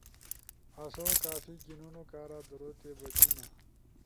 آسو کافی گھینونو کارا درو تی بجونا۔